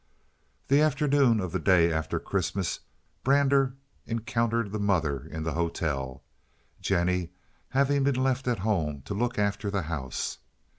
The afternoon of the day after Christmas Brander encountered the mother in the hotel, Jennie having been left at home to look after the house.